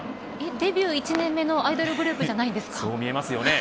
デビュー１年目のアイドルグループじゃそう見えますよね。